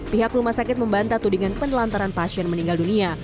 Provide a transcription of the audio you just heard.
pihak rumah sakit membantah tudingan penelantaran pasien meninggal dunia